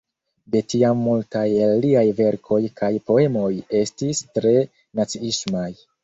De tiam multaj el liaj verkoj kaj poemoj estis tre naciismaj.